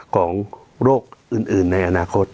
ของโรคอื่นในอนาคต